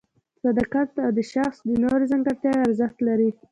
صداقت او د شخص نورې ځانګړتیاوې ارزښت لري.